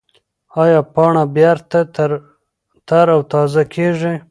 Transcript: ایا پاڼه بېرته تر او تازه کېږي؟